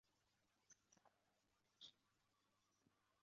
哈内尔斯多夫是奥地利布尔根兰州上瓦特县的一个市镇。